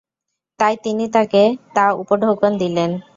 তাই তিনি তাঁকে তা উপঢৌকন দিলেন।